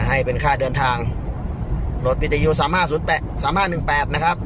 ให้เป็นค่าเดินทางรถปิติยูสามห้าศูนย์แปดสามห้าหนึ่งแปดนะครับ